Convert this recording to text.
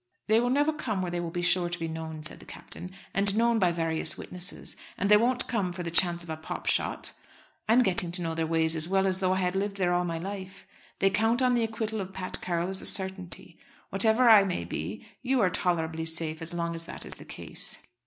"They will never come where they will be sure to be known," said the Captain; "and known by various witnesses. And they won't come for the chance of a pop shot. I am getting to know their ways as well as though I had lived there all my life. They count on the acquittal of Pat Carroll as a certainty. Whatever I may be, you are tolerably safe as long as that is the case."